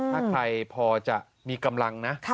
ถ้าใครพอจะมีกำลังนะ